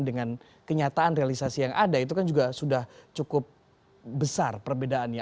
dengan kenyataan realisasi yang ada itu kan juga sudah cukup besar perbedaannya